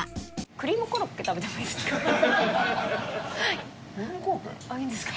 クリームコロッケ？あっいいんですか？